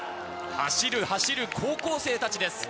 走る走る高校生たちです。